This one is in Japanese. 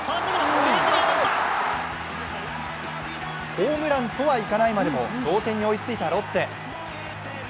ホームランとはいかないまでも同点に追いついたロッテ。